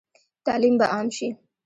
تعلیم به عام شي؟